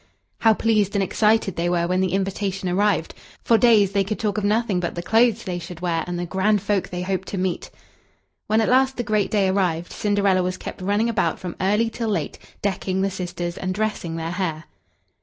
How pleased and excited they were when the invitation arrived! For days they could talk of nothing but the clothes they should wear and the grand folk they hoped to meet. When at last the great day arrived, Cinderella was kept running about from early till late, decking the sisters, and dressing their hair.